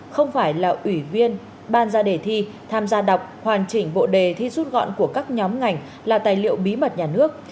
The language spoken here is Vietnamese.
không phải là ủy viên ban ra đề thi tham gia đọc hoàn chỉnh bộ đề thi rút gọn của các nhóm ngành là tài liệu bí mật nhà nước